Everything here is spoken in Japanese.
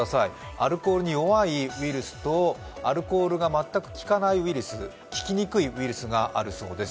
アルコールに弱いウイルスとアルコールが全く効かないウイルス、効きにくいウイルスがあるそうです、